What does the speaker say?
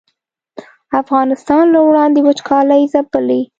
افغانستان له وړاندې وچکالۍ ځپلی